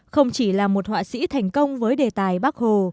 không chỉ là một họa sĩ thành công với đề tài bác hồ